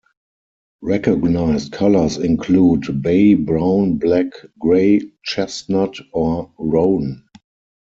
Recognised colours include bay, brown, black, grey, chestnut or roan.